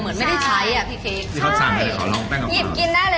เรียกได้ไม่เรื่องสุดผิดไม่อ้วนนะฮะ